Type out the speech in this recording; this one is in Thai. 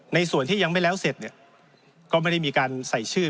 ในส่วนที่ยังไม่แล้วเสร็จเนี่ยก็ไม่ได้มีการใส่ชื่อ